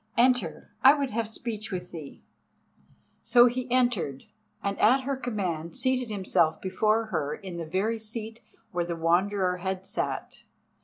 "Enter, I would have speech with thee." So he entered, and at her command seated himself before her in the very seat where the Wanderer had sat.